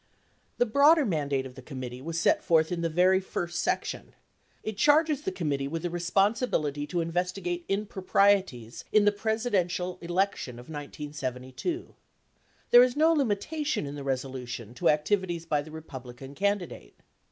The broader mandate of the committee was set forth in the very first section. It charges the committee with the responsibility to investi gate improprieties "in the Presidential election of 1972." There is no limitation in the resolution to activities by the Republican candidate.